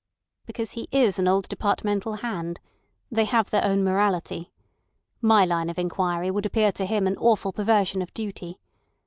"Because he is an old departmental hand. They have their own morality. My line of inquiry would appear to him an awful perversion of duty.